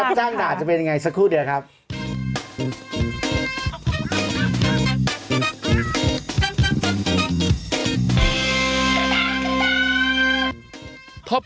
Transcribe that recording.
จ้างด่าจะเป็นยังไงสักครู่เดียวครับ